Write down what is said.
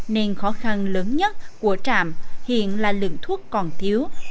nên khó khăn lớn nhất của trạm hiện là lượng thuốc còn thiếu